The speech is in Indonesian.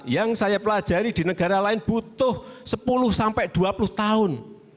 yang saya pelajari di negara lain butuh sepuluh sampai dua puluh tahun